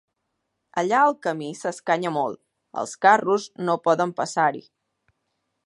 Allà el camí s'escanya molt: els carros no poden passar-hi.